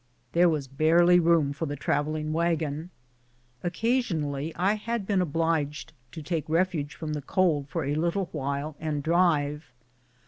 There was barely room for the travelling wagon. Occasionally I had been obliged to take refuge from the cold for a little while and drive.